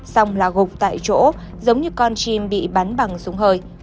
xong là gục tại chỗ giống như con chim bị bắn bằng súng hơi